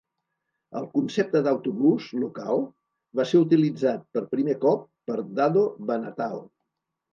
El concepte d'autobús local va ser utilitzat per primer cop per Dado Banatao.